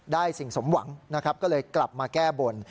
สิ่งสมหวังนะครับก็เลยกลับมาแก้บน